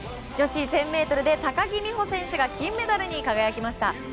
女子１０００ｍで高木美帆選手が金メダルに輝きました。